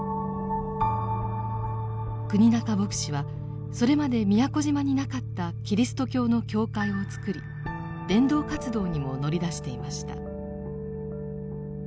国仲牧師はそれまで宮古島になかったキリスト教の教会をつくり伝道活動にも乗り出していました。